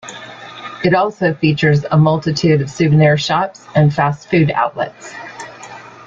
It also features a multitude of souvenir shops and fast food outlets.